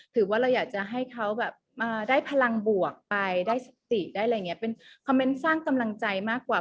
ถือว่าเราอยากจะให้เขาแบบมาได้พลังบวกไปได้สติได้อะไรอย่างนี้เป็นคอมเมนต์สร้างกำลังใจมากกว่า